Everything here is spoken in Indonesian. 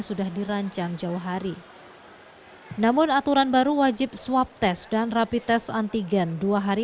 sudah dirancang jauh hari namun aturan baru wajib swab test dan rapi tes antigen dua hari